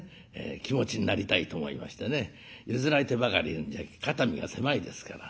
気持ちになりたいと思いましてね譲られてばかりいるんじゃ肩身が狭いですから。